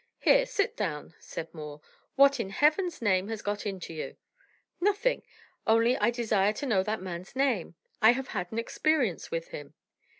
"Here, sit down," said Moore. "What, in heaven's name, has got into you?" "Nothing. Only I desire to know that man's name. I have had an experience with him."